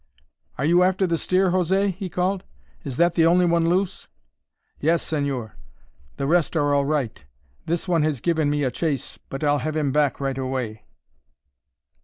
"Are you after the steer, José?" he called. "Is that the only one loose?" "Yes, señor. The rest are all right. This one has given me a chase, but I'll have him back right away."